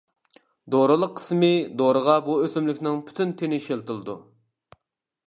دورىلىق قىسمى دورىغا بۇ ئۆسۈملۈكنىڭ پۈتۈن تېنى ئىشلىتىلىدۇ.